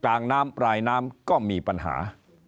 กลางน้ำปลายน้ำก็มีปัญหา